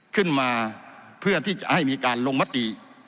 ขึ้นมาเพื่อที่จะให้มีการลงมะติ